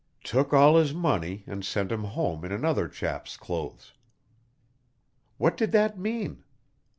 "Took all his money, and sent him home in another chap's clothes." What did that mean?